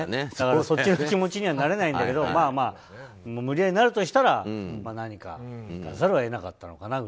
そっちの気持ちにはなれないんだけど無理やりなるとしたら何か聞かざるを得なかったのかなと。